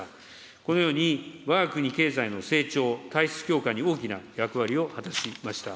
このようにわが国経済の成長、体質強化に大きな役割を果たしました。